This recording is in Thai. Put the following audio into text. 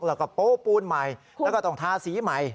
แล้วก็โปูปูนใหม่แล้วก็ต้องทาสีใหม่